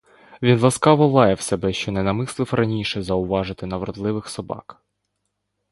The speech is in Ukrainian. Він ласкаво лаяв себе, що не намислив раніше зауважити на вродливих собак.